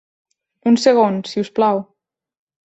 Un segon, si us plau.